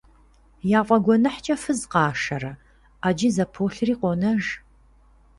Яфӏэгуэныхькӏэ фыз къашэрэ, ӏэджи зэполъри къонэж.